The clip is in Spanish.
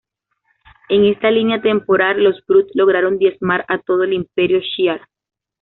En esta línea temporal, los Brood lograron diezmar a todo el Imperio Shi'ar.